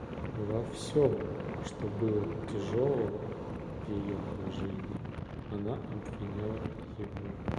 Во всем, что было тяжелого в ее положении, она обвиняла его.